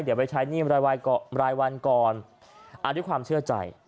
เดี๋ยวไปใช้หนี้รายวันก่อนอาจที่ความเชื่อใจ